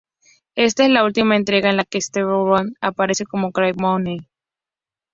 Esta es la última entrega en la que Steve Guttenberg aparece como Carey Mahoney.